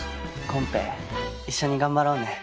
コンペ一緒に頑張ろうね。